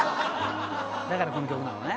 だからこの曲なのね。